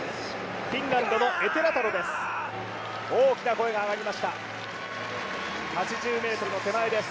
フィンランドのエテラタロです。